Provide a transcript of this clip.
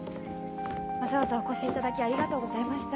わざわざお越しいただきありがとうございました。